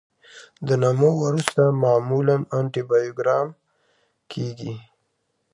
د نمو وروسته معمولا انټي بایوګرام کیږي.